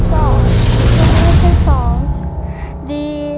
ตัวเลือกที่๒